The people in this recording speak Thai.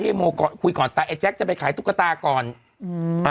ที่โมก่อนคุยก่อนแต่ไอ้แจ๊กจะไปขายทุกตาก่อนอืม